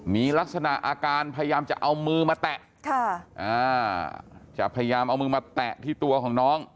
มีลักษณะอาการพยายามจะเอามือมาแตะจะพยายามเอามือมาแตะที่ตัวของน้อง